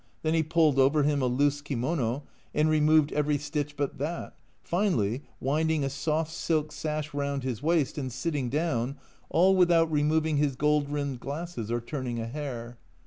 Then he pulled over him a loose kimono and removed every stitch but that, finally winding a soft silk sash round his waist and sitting down, all without removing his gold rimmed glasses or turning a hair